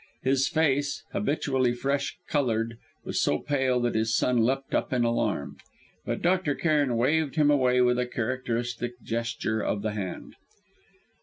His face, habitually fresh coloured, was so pale that his son leapt up in alarm. But Dr. Cairn waved him away with a characteristic gesture of the hand.